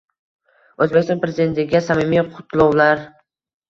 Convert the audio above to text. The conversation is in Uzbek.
O‘zbekiston Prezidentiga samimiy qutlovlarng